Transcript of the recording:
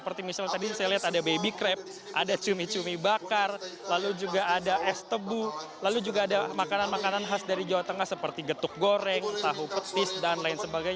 seperti misalnya tadi saya lihat ada baby crab ada cumi cumi bakar lalu juga ada es tebu lalu juga ada makanan makanan khas dari jawa tengah seperti getuk goreng tahu petis dan lain sebagainya